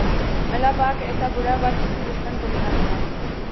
اللہ پاک ایسا برا وقت کسی دشمن کو بھی نہ دکھائے